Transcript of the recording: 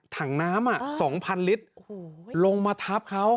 ถังน้ำ๒๐๐ลิตรลงมาทับเขา